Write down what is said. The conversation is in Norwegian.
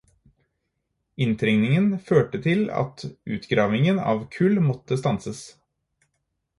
Inntrengingen førte til at utgravningen av kull måtte stanses.